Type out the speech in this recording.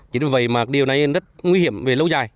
chính vì vậy mà điều này rất nguy hiểm về lâu dài